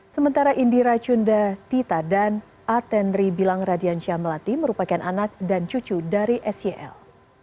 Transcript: sementara indira cunda tita dan atenri bilang radiansyah melati merupakan anak dan cucu dari sel